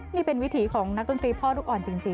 นี่เป็นวิถีของนักดนตรีพ่อลูกอ่อนจริง